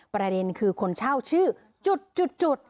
ประเด็นคือคนเช่าชื่อจุด